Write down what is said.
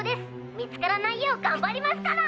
見つからないよう頑張りますから！